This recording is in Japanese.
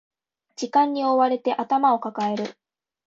時間に追われて頭を抱える